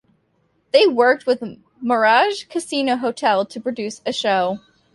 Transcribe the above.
They worked with Mirage Casino-Hotel to produce a show.